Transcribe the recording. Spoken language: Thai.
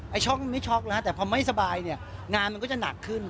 ไอ้ช็อกไม่ช็อกแต่พอไม่สบายงานมันก็จะหนักขึ้น